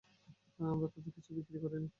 আমরা তাদের কিছুই বিক্রি করিনি।